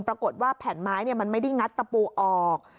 ปรากฏว่าแผ่นไม้มันไม่ได้งัดตะปูออก